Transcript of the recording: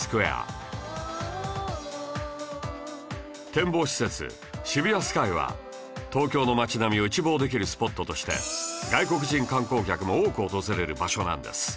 展望施設渋谷スカイは東京の街並みを一望できるスポットとして外国人観光客も多く訪れる場所なんです